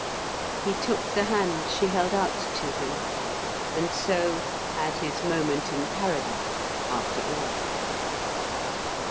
He took the hand she held out to him; and so had his moment in Paradise after all.